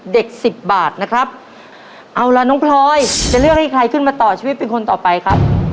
สิบบาทนะครับเอาล่ะน้องพลอยจะเลือกให้ใครขึ้นมาต่อชีวิตเป็นคนต่อไปครับ